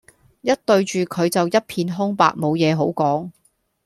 一對住佢就一片空白無嘢好講